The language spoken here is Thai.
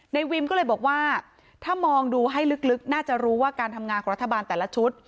วิมก็เลยบอกว่าถ้ามองดูให้ลึกน่าจะรู้ว่าการทำงานของรัฐบาลแต่ละชุด